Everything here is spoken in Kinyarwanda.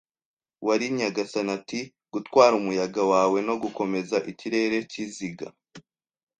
wari, nyagasani, ati: "gutwara umuyaga wawe no gukomeza ikirere cyizinga.